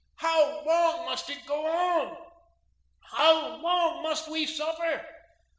How long must it go on? How long must we suffer?